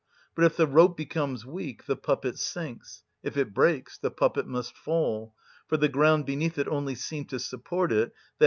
But if the rope becomes weak the puppet sinks; if it breaks the puppet must fall, for the ground beneath it only seemed to support it: _i.